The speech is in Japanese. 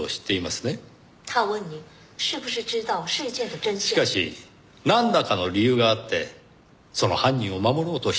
しかしなんらかの理由があってその犯人を守ろうとしている。